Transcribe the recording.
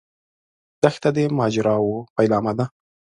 دښته د ماجراوو پیلامه ده.